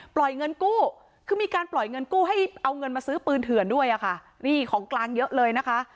เงินกู้คือมีการปล่อยเงินกู้ให้เอาเงินมาซื้อปืนเถื่อนด้วยอะค่ะนี่ของกลางเยอะเลยนะคะ